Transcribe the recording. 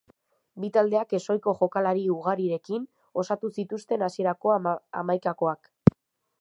Bi taldeak ez ohiko jokalari ugarirekin osatu zituzten hasierako hamaikakoak.